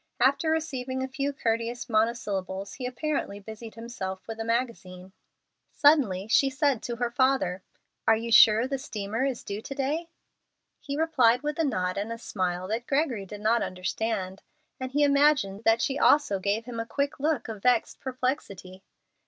After receiving a few courteous monosyllables he apparently busied himself with a magazine. Suddenly she said to her father, "Are you sure the steamer is due to day?" He replied with a nod and a smile that Gregory did not understand, and he imagined that she also gave him a quick look of vexed perplexity.